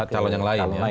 calon yang lain ya